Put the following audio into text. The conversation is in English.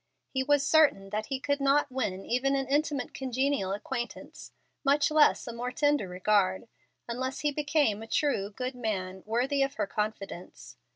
He was certain that he could not win even an intimate congenial acquaintance, much less a more tender regard, unless he became a true, good man, worthy of her confidence.